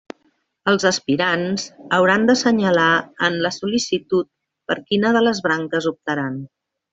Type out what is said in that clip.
Els aspirants hauran d'assenyalar en la sol·licitud per quina de les branques optaran.